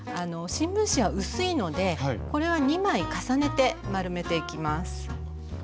新聞紙は薄いのでこれは２枚重ねて丸めていきます。